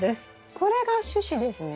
これが主枝ですね？